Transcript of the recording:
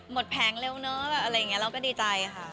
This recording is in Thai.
แผงเร็วเนอะแบบอะไรอย่างนี้เราก็ดีใจค่ะ